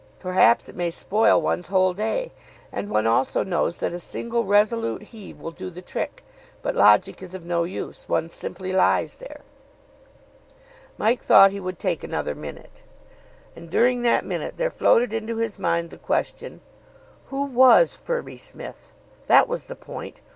Perhaps it may spoil one's whole day. And one also knows that a single resolute heave will do the trick. But logic is of no use. One simply lies there. Mike thought he would take another minute. And during that minute there floated into his mind the question, Who was Firby Smith? That was the point.